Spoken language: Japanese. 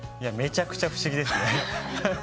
めちゃくちゃ不思議です。